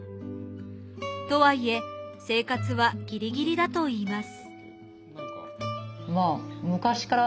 とはいえ生活はギリギリだといいます。